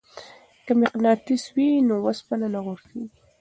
که مقناطیس وي نو وسپنه نه غورځیږي.